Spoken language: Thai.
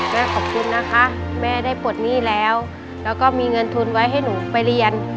แม่ขอบคุณนะคะแม่ได้ปลดหนี้แล้วแล้วก็มีเงินทุนไว้ให้หนูไปเรียน